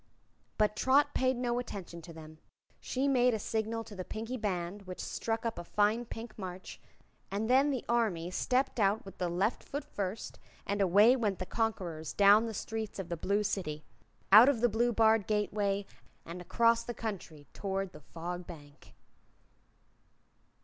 But Trot paid no attention to them. She made a signal to the Pinkie Band, which struck up a fine Pink March, and then the Army stepped out with the left foot first, and away went the conquerors down the streets of the Blue City, out of the blue barred gateway and across the country toward the Fog Bank.